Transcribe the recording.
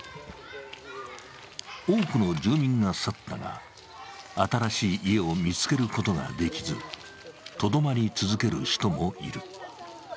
多くの住民が去ったが、新しい家を見つけることができず、とどまり続ける人もいる。